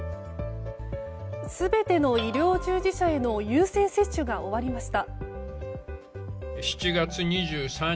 全ての医療従事者への優先接種が終わりました。